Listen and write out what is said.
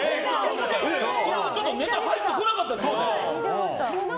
それでちょっとネタが入ってこなかったです。